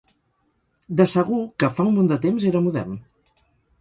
De segur que, fa un munt de temps, era modern.